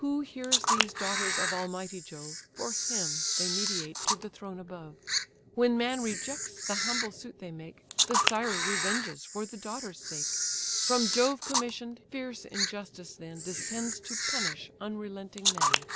Who hears these daughters of almighty Jove, For him they mediate to the throne above: When man rejects the humble suit they make, The sire revenges for the daughters' sake; From Jove commission'd, fierce injustice then Descends to punish unrelenting men.